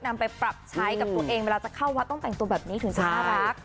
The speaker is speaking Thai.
นำไปปรับใช้กับตัวเองเวลาจะเข้าวัดต้องแต่งตัวแบบนี้ถึงจะน่ารัก